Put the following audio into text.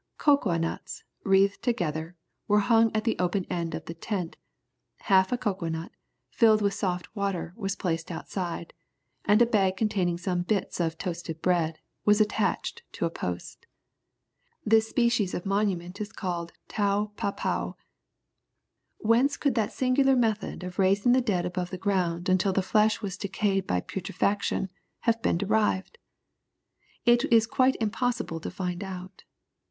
Cocoa nuts, wreathed together, were hung at the open end of the tent; half a cocoa nut, filled with soft water, was placed outside, and a bag containing some bits of toasted bread, was attached to a post. This species of monument is called Toupapow. Whence could that singular method of raising the dead above the ground until the flesh was decayed by putrefaction have been derived! It is quite impossible to find out.